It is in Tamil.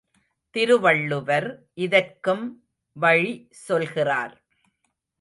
திருவள்ளுவர் இதற்கும் வழி சொல்கிறார்.